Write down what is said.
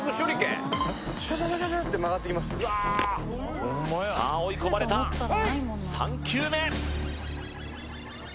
シュシュシュシュって曲がってきますさあ追い込まれたプレイ３球目！